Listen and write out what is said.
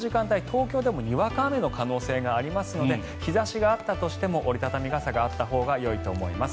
東京でもにわか雨の可能性がありますので日差しがあったとしても折り畳み傘があったほうがよいと思います。